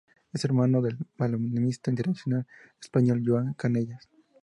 Es hermano del balonmanista internacional español Joan Cañellas.